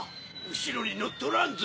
後ろに乗っとらんぞ。